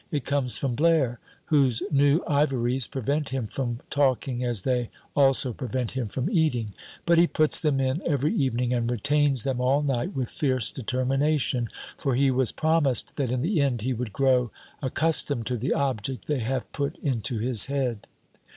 It comes from Blaire, whose new ivories prevent him from talking as they also prevent him from eating. But he puts them in every evening, and retains them all night with fierce determination, for he was promised that in the end he would grow accustomed to the object they have put into his head.